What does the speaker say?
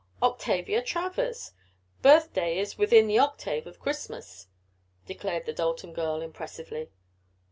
"Octavia Travers! Birthday is within the octave of Christmas," declared the Dalton girl impressively.